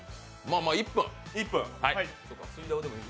まあ、１分。